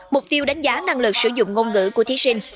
mục tiêu đánh giá năng lực sử dụng ngôn ngữ của thí sinh